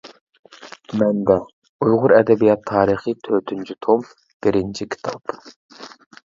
مەنبە: ئۇيغۇر ئەدەبىيات تارىخى تۆتىنچى توم، بىرىنچى كىتاب.